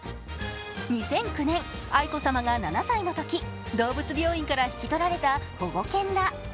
２００９年愛子さまが７歳のとき動物病院から引き取られた保護犬だ。